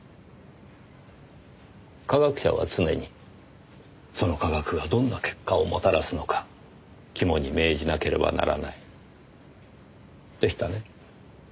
科学者は常にその科学がどんな結果をもたらすのか肝に銘じなければならないでしたね？